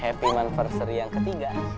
happy anniversary yang ketiga